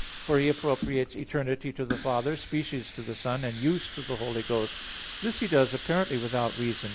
For he appropriates "eternity" to the Father, species to the Son, and "use" to the Holy Ghost. This he does apparently without reason.